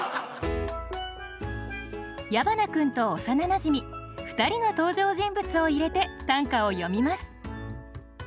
矢花君と幼なじみ２人の登場人物を入れて短歌を詠みます。